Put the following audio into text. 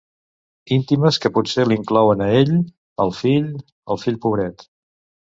Íntimes que potser l'inclouen a ell, el fill, el fill pobret.